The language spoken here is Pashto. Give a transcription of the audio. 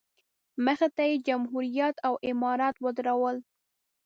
مخې ته یې جمهوریت او امارت ودرول.